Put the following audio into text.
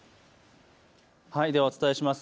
ではお伝えします。